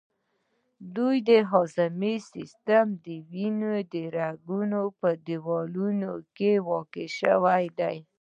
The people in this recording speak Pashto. دوی د هضمي سیستم، د وینې د رګونو په دیوالونو کې واقع شوي دي.